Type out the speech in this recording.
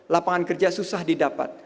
lapangan kerja susah didapat